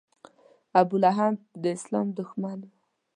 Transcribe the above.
ابولهب د اسلام دښمن و.